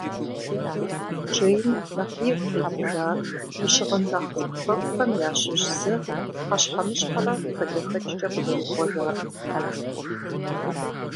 Джейн нэхъ игу къинэжар и щыгъын нэхъ цӏыкӏуфэкӏухэм ящыщ зы пхъэщхьэмыщхьэрэ хадэхэкӏкӏэ къызэрихъуэжарт.